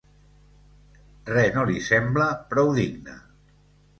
Res no li sembla prou digne.